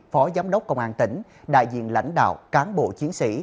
phó giám đốc công an tỉnh đại diện lãnh đạo cán bộ chiến sĩ